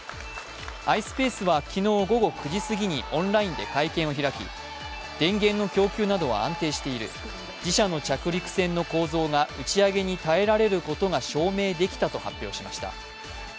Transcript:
ｉｓｐａｃｅは昨日、午後９時過ぎにオンラインで会見を開き、電源の供給などは安定している自社の着陸船の構造が打ち上げに耐えられることが証明できたと発表しました。